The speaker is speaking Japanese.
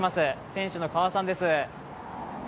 店主の川和さんです。